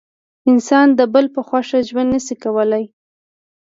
انسان د بل په خوښه ژوند نسي کولای.